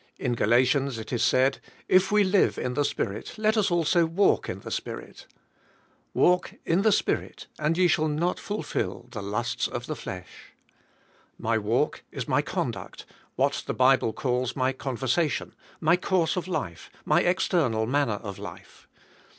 In Galatians it is said, '' If we live in the Spirit let us also walk in the Spirit." Walk in the Spirit and ye shall not fulfill the lusts of the flesh." My walk is my conduct, what the Bible calls my conversation, my course of life, my external manner of life.